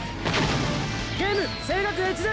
ゲーム青学越前！